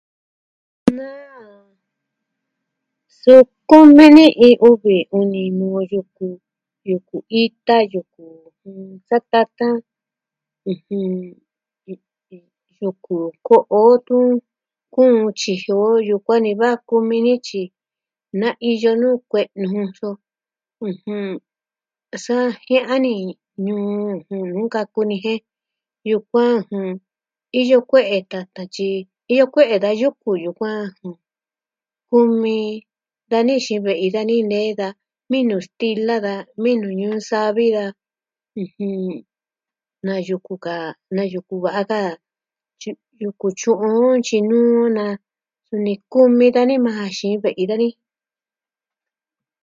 Na su kumi ni iin uvi uni nuu yuku, yuku ita, satatan, yuku ko'o o tun, kuun tyiji o yukuan ni va kumi ni tyi na iyo nuu kue'enu jun nuu so sa jiaa ni ñuu nkaku ni jen iyo kuaa iyo kue'e tatan tyi, iyo kue'e da yuku yukuan. kumi... dani xiin ve'i dani nee da mi'nu stila, da mi'nu ñuu savi a na yuku ka, na yuku va'a ka. Tyu'un on tyinuu on na suni kumi dani majan xiin ve'i dani.